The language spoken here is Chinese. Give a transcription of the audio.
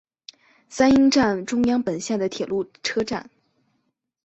三鹰站中央本线的铁路车站。